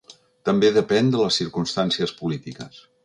També depèn de les circumstàncies polítiques.